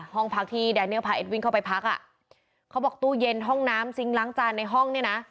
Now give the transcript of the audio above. ห้องพักที่แดเนียลพาเอ็ดวิ่งเข้าไปพักอ่ะเขาบอกตู้เย็นห้องน้ำซิงค์ล้างจานในห้องเนี่ยนะ